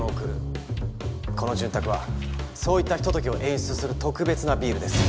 この「潤沢」はそういったひとときを演出する特別なビールです。